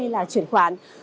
và chuyển khoản